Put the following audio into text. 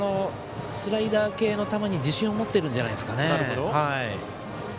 スライダー系の球に自信を持っているんじゃないでしょうか。